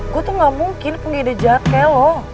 gue tuh gak mungkin punya ide jahat kayak lo